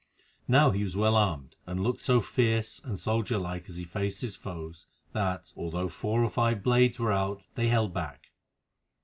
Now he was well armed, and looked so fierce and soldier like as he faced his foes, that, although four or five blades were out, they held back.